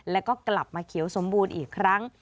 แล้วก็กลับมาเขียวสมบูรณ์อีกครั้ง